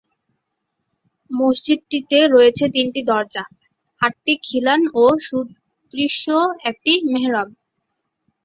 মসজিদটিতে রয়েছে তিনটি দরজা, আটটি খিলান ও সুদৃশ্য একটি মেহরাব।